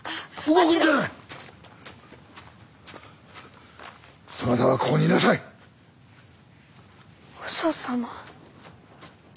和尚様。